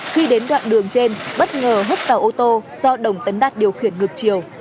khi đến đoạn đường trên bất ngờ hất vào ô tô do đồng tấn đạt điều khiển ngược chiều